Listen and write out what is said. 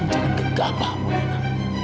jangan kegabahmu lila